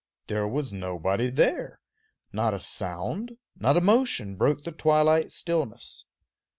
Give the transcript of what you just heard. There was nobody there. Not a sound, not a motion broke the twilight stillness.